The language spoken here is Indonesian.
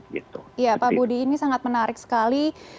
ya pak budi ini sangat menarik sekali